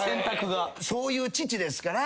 そういう父ですから。